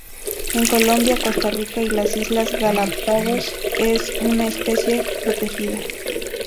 En Colombia, Costa Rica y las Islas Galápagos es una especie protegida.